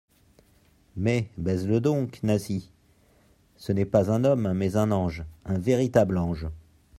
Mais, baise-le donc, Nasie ? ce n'est pas un homme, mais un ange, un véritable ange.